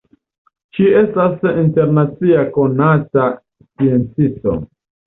Ŝi estas internacia konata sciencisto.